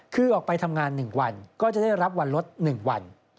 คือออกไปทำงาน๑วันก็จะได้รับวันลด๑วัน